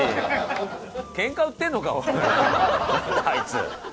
あいつ。